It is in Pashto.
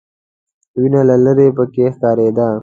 وینه له ليرې پکې ښکارېده.